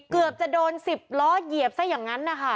เกือบจะโดน๑๐ล้อเหยียบซะอย่างนั้นนะคะ